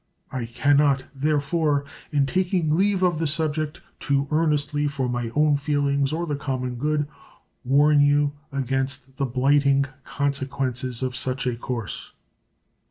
I can not, therefore, in taking leave of the subject, too earnestly for my own feelings or the common good warn you against the blighting consequences of such a course.